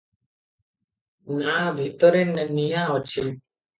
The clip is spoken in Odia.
ନା, ଭିତରେ ନିଆଁ ଅଛି ।